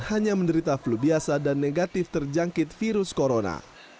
hanya menderita flu biasa dan negatif terjangkit virus corona